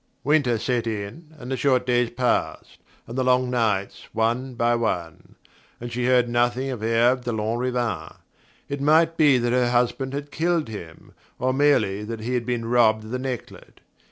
Winter set in, and the short days passed, and the long nights, one by one; and she heard nothing of Herve de Lanrivain. It might be that her husband had killed him; or merely that he had been robbed of the necklet.